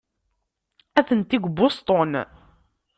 Atenti deg Boston.